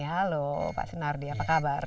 halo pak senardi apa kabar